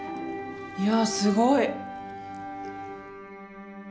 いやすごい！